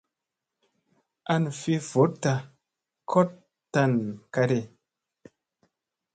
An fi voɗta koɗ tan kadi.